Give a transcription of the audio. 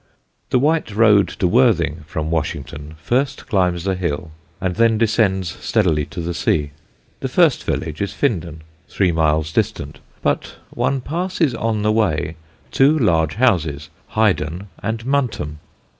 The white road to Worthing from Washington first climbs the hills and then descends steadily to the sea. The first village is Findon, three miles distant, but one passes on the way two large houses, Highden and Muntham.